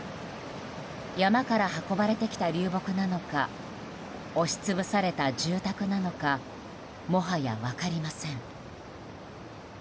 山から運ばれてきた流木なのか押し潰された住宅なのかもはや分かりません。